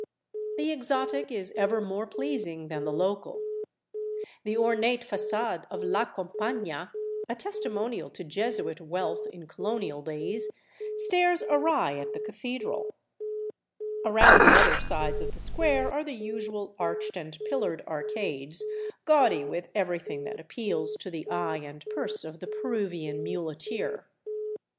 The exotic is ever more pleasing than the local. The ornate f agade of " La Compaiiia," testimonial to Jesuit wealth in colonial days, stares awry at the cathedral. Around the other sides of the square are the usual arched and pillared arcades, gaudy with every thing that appeals to the eye and purse of the Peruvian muleteer.